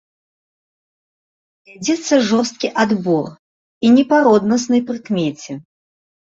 Вядзецца жорсткі адбор, і не па роднаснай прыкмеце.